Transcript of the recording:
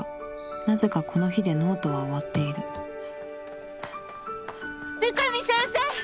なぜかこの日でノートは終わっている三上先生！